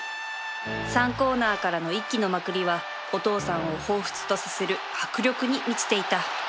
３コーナーからの一気のまくりはお父さんをほうふつとさせる迫力に満ちていた